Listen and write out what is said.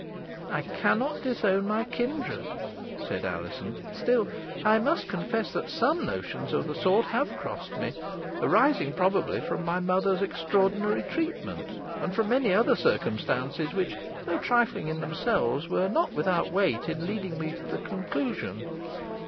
"I cannot disown my kindred," said Alizon. "Still, I must confess that some notions of the sort have crossed me, arising, probably, from my mother's extraordinary treatment, and from many other circumstances, which, though trifling in themselves, were not without weight in leading me to the conclusion.